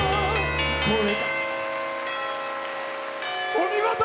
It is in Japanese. お見事！